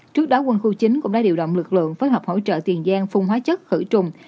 trước đó quân khu chín cũng đã điều động lực lượng phối hợp hỗ trợ tiền giang phun hóa chất khử trùng